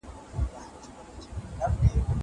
زه له سهاره انځورونه رسم کوم.